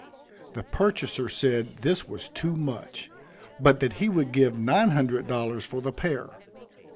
The purchaser said this was too much, but that he would give nine hundred dollars for the pair.